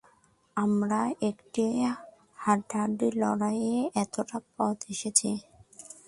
আমরা একটি হাড্ডাহাড্ডি লড়াইয়ের এতটা পথ এসেছি।